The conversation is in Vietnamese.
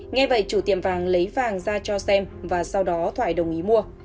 nghe vậy chủ tiệm vàng lấy vàng ra cho xem và sau đó thoại đồng ý mua